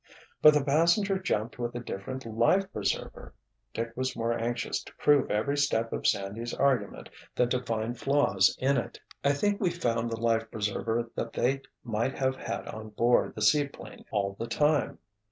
"But the passenger jumped with a different life preserver!" Dick was more anxious to prove every step of Sandy's argument than to find flaws in it. "I think we found the life preserver that they might have had on board the seaplane all the time.